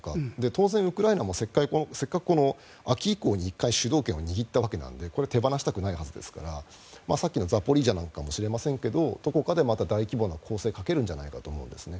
当然、ウクライナもせっかく秋以降に１回主導権を握ったわけなのでこれを手放したくないはずですからさっきのザポリージャかもしれませんがどこかでまた大規模な攻勢をかけるんじゃないかと思うんですね。